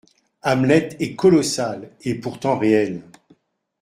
Hamlet est colossal, et pourtant réel.